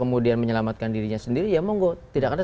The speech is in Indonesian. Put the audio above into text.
kemudian menyelamatkan dirinya sendiri ya monggo tidak ada